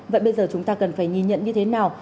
vậy bây giờ chúng ta cần phải nhìn nhận như thế nào